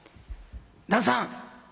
旦さん。